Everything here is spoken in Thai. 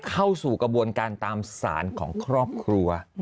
เข้าสู่กระบวนการตามสารของครอบครัว